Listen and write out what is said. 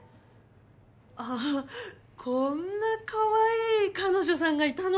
ああっこんなかわいい彼女さんがいたの？